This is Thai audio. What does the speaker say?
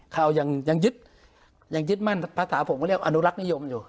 เขายังยึดยังยึดมั่นภาษาผมก็เรียกอนุรักษ์นิยมอยู่